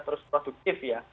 terus produktif ya